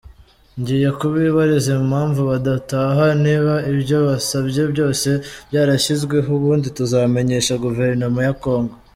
Ngiye kubibariza impamvu badataha niba ibyo basabye byose byarashyizweho, ubundi tuzamenyeshe Guverinoma ya Congo.